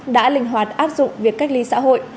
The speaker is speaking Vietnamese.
đã linh hoạt áp dụng việc cách ly xã hội